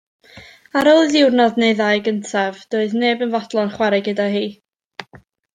Ar ôl y diwrnod neu ddau gyntaf doedd neb yn fodlon chwarae gyda hi.